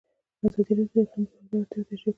ازادي راډیو د اقلیم د پراختیا اړتیاوې تشریح کړي.